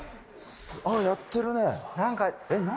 あっやってるねえっ何？